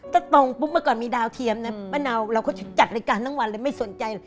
ถ้าตรงปุ๊บเมื่อก่อนมีดาวเทียมนะป้าเนาเราก็จะจัดรายการทั้งวันเลยไม่สนใจเลย